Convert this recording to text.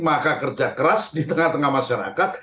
maka kerja keras di tengah tengah masyarakat